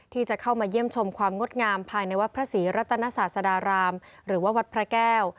ที่จะเข้ามาเยี่ยมชมความงดงามภายในวัดพระศรีรัตนศาสดารามหรือว่าวัดพระแก้ว